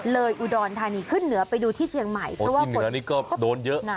อุดรธานีขึ้นเหนือไปดูที่เชียงใหม่เพราะว่าเหนือนี่ก็โดนเยอะนะ